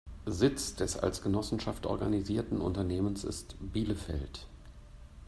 Sitz des als Genossenschaft organisierten Unternehmens ist Bielefeld.